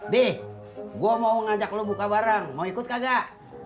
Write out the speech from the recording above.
dih gua mau ngajak lo buka barang mau ikut kagak